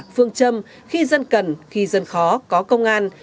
phương châm khi dân cần khi dân khó có công an